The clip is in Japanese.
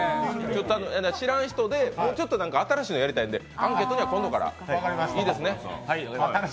知らん人で、もうちょっと新しいのがやりたいのでアンケートには今度から、いいですね？